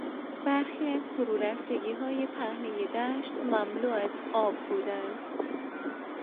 برخی از فرورفتگیهای پهنهی دشت مملو از آب بودند.